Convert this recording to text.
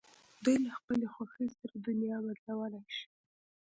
دوی له خپلې خوښې سره دنیا بدلولای شي.